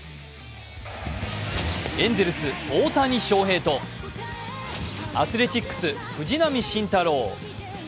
エンゼルス・大谷翔平とアスレチックス・藤浪晋太郎。